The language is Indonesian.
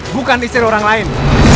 bukan istri orang lain